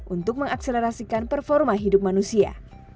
untuk mengakselerasikan performa hidup manusia